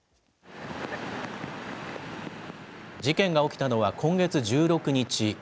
事件が起きたのは今月１６日。